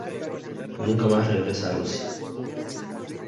Nunca más regresa a Rusia.